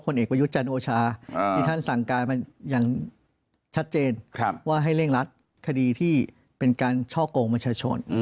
เอกประยุทธ์จันทร์โอชาที่ท่านสั่งการมาอย่างชัดเจนว่าให้เร่งรัดคดีที่เป็นการช่อกงประชาชน